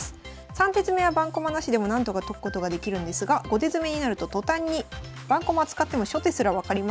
３手詰めは盤駒なしでもなんとか解くことができるんですが５手詰めになると途端に盤駒を使っても初手すらわかりません。